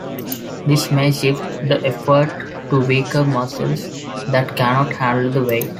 This may shift the effort to weaker muscles that cannot handle the weight.